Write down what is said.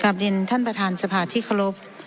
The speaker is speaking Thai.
เรียนท่านประธานสภาที่เคารพ